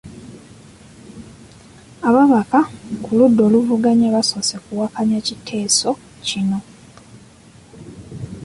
Ababaka ku ludda oluvuga basoose kuwakanya kiteeso kino.